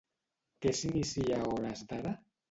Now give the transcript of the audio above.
Què s'inicia a hores d'ara?